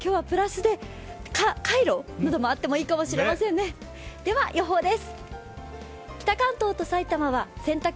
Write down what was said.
では予報です。